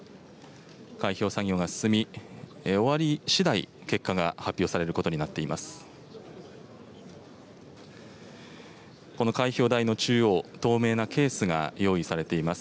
開票作業が進み、終わりしだい、結果が発表されることになっています。